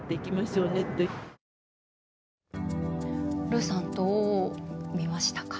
ルーさん、どう見ましたか。